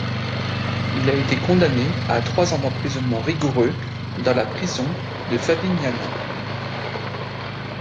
Il a été condamné à trois ans d'emprisonnement rigoureux dans la prison de Favignana.